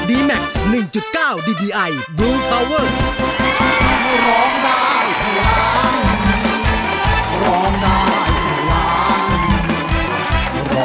สวัสดีครับ